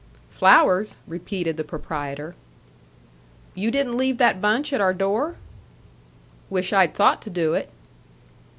"Flowers?" repeated the proprietor. "You didn't leave that bunch at our door?" "Wish I'd thought to do it."